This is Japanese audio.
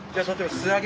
素揚げ。